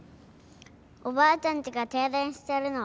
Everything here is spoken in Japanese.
おばあちゃんちが停電してるの。